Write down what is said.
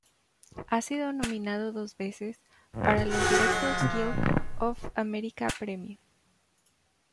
Ha sido nominado dos veces para los Directors Guild of America Premio.